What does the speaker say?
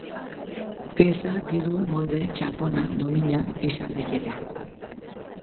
Pieza diru molde, txanpona, domina... izan daiteke.